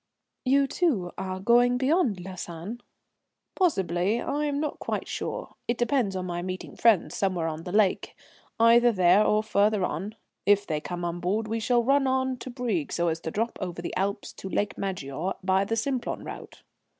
"You, too, are going beyond Lausanne?" "Possibly, I am not quite sure. It depends upon my meeting friends somewhere on the lake, either there or further on. If they come on board we shall run on to Brieg so as to drop over the Alps to Lake Maggiore by the Simplon route."